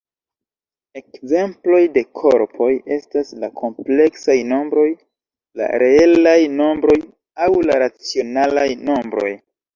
Ekzemploj de korpoj estas la kompleksaj nombroj, la reelaj nombroj aŭ la racionalaj nombroj.